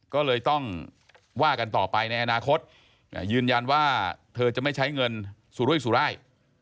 ก็เลยต้องว่ากันต่อไปในอนาคตยืนยันว่าเธอจะไม่ใช้เงินสุรุยสุราย